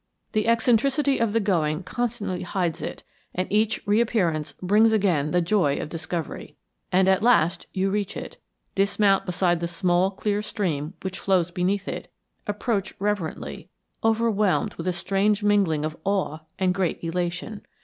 The eccentricity of the going constantly hides it, and each reappearance brings again the joy of discovery. And at last you reach it, dismount beside the small clear stream which flows beneath it, approach reverently, overwhelmed with a strange mingling of awe and great elation.